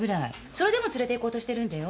それでも連れていこうとしてるんだよ。